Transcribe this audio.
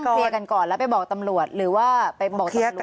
นั่งเคลียร์กันก่อนแล้วไปบอกตำรวจหรือว่าไปบอกตำรวจ